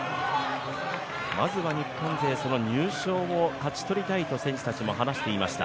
まずは日本勢、入賞を勝ち取りたいと選手たち話していました。